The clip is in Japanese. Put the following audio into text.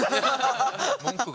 文句が？